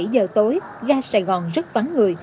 bảy giờ tối ga sài gòn rất vắng người